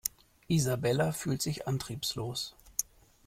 Isabella fühlt sich antriebslos.